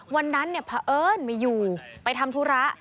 วันนั้นพระเอิญไม่อยู่ไปทำธุระ